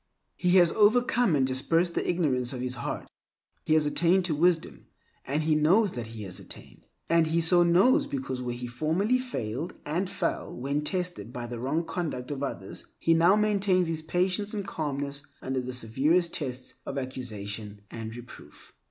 He has overcome and dispersed the ignorance of his heart. He has attained to wisdom, and he knows that he has attained. And he so knows because where he formerly failed and fell when tested by the wrong conduct of others, he now maintains his patience and calmness under the severest tests of accusation and reproof.